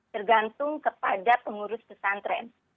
tergantung kepada pengurus pesantren